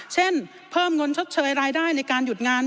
เช่นเพิ่มเงินชดเชยรายได้ในการหยุดงาน